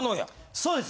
そうです。